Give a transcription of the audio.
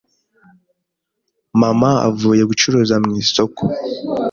mama avuye gucuruza mu isoko